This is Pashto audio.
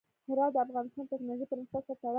هرات د افغانستان د تکنالوژۍ پرمختګ سره تړاو لري.